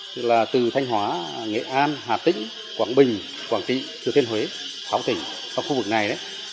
tức là từ thanh hóa nghệ an hà tĩnh quảng bình quảng trị thừa thiên huế sáu tỉnh trong khu vực này đấy